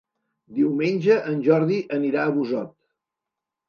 Diumenge en Jordi anirà a Busot.